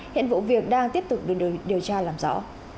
hiện vụ việc đang tiếp tục được điều tra làm rõ